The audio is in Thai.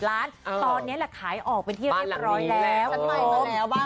คุณผู้ชมทั้งบ้านก็ตกใจเหมือนกัน